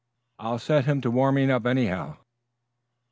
I'll set him to warming up, anyhow."